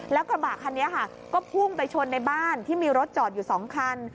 แล้วกระบะคันนี้ค่ะก็พุ่งไปชนในบ้านที่มีรถจอดอยู่๒คัน